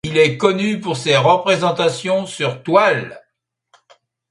Il est connu pour ses représentations sur toile.